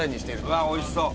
うわーおいしそう！